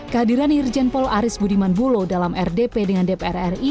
kehadiran irjen paul aris budiman bulo dalam rdp dengan dpr ri